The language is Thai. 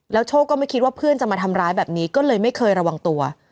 โชคก็ไม่คิดว่าเพื่อนจะมาทำร้ายแบบนี้ก็เลยไม่เคยระวังตัว